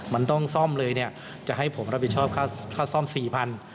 มันต้องซ่อมเลยเนี่ยจะให้ผมรับผิดชอบค่าซ่อมสี่พัน